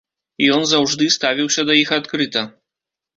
Ён заўжды ставіўся да іх адкрыта.